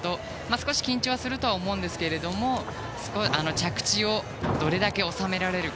少し緊張するとは思うんですけども着地をどれだけ収められるか。